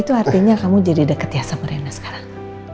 itu artinya kamu jadi deket ya sama rena sekarang